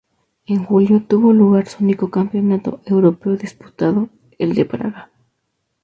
En julio tuvo lugar su único Campeonato Europeo disputado, el de Praga.